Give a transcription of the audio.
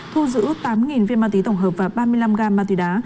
thu giữ tám viên ma túy tổng hợp và ba mươi năm gam ma túy đá